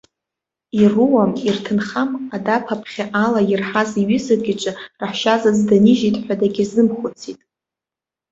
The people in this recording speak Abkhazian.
Ируам-ирҭынхам, адаԥа бӷьы ала ирҳаз иҩызак иҿы раҳәшьазаҵә дынижьт ҳәа дагьазымхәыцит.